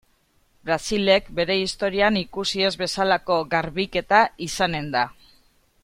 Brasilek bere historian ikusi ez bezalako garbiketa izanen da.